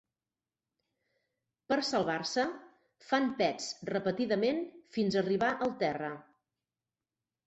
Per salvar-se, fan pets repetidament fins arribar al terra.